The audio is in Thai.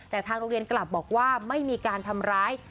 แต่ทางโรงเรียนกลับบอกว่าไม่มีการทำร้าย